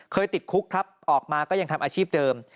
ติดคุกครับออกมาก็ยังทำอาชีพเดิม